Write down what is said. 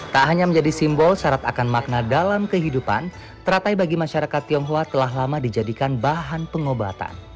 tak hanya menjadi simbol syarat akan makna dalam kehidupan teratai bagi masyarakat tionghoa telah lama dijadikan bahan pengobatan